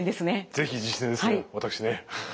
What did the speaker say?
是非実践ですね私ね。